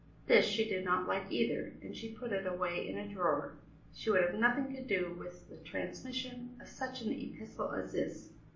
This she did not like either, and she put it away in a drawer; she would have nothing to do with the transmission of such an epistle as this.